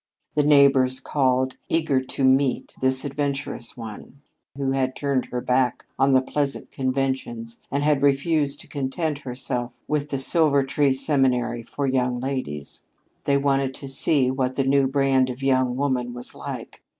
The neighbors called, eager to meet this adventurous one who had turned her back on the pleasant conventions and had refused to content herself with the Silvertree Seminary for Young Ladies. They wanted to see what the new brand of young woman was like.